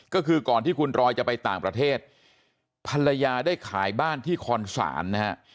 ก็คือก่อนที่คุณรอยจะไปต่างประเทศภรรยาได้ขายบ้านที่คอนศาลนะฮะ